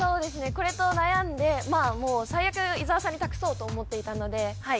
これと悩んで最悪伊沢さんに託そうと思っていたのではい